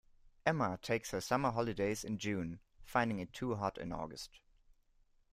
Emma takes her summer holidays in June, finding it too hot in August